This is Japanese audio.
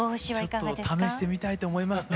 ちょっと試してみたいと思いますね。